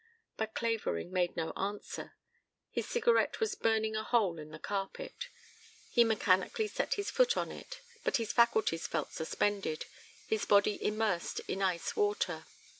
But Clavering made no answer. His cigarette was burning a hole in the carpet. He mechanically set his foot on it, but his faculties felt suspended, his body immersed in ice water.